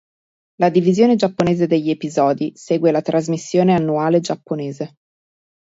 La divisione giapponese degli episodi segue la trasmissione annuale giapponese.